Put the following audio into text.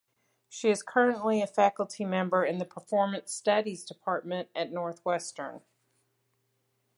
She is currently a faculty member in the Performance Studies department at Northwestern.